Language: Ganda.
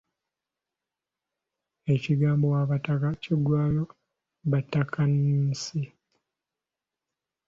Ekigambo abataka kiggwaayo batakansi.